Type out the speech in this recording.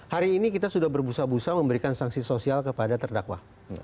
hari ini kita sudah berbusa busa memberikan sanksi sosial kepada terdakwa